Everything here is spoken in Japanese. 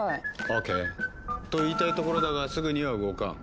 オーケー！と言いたいところだがすぐには動かん。